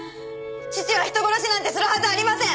父が人殺しなんてするはずありません！